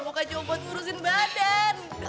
bukan cuma buat ngurusin badan